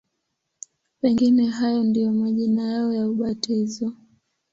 Pengine hayo ndiyo majina yao ya ubatizo.